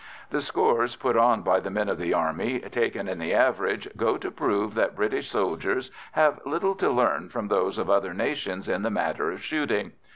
The scores put on by men of the Army, taken in the average, go to prove that British soldiers have little to learn from those of other nations in the matter of shooting.